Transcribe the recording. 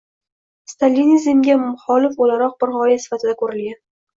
Stalinizmga muxolif o‘laroq bir g‘oya sifatida ko‘rilgan